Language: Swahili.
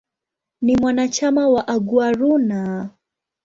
Ni mwanachama wa "Aguaruna".